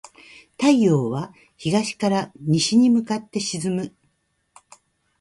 太陽は東から西に向かって沈む。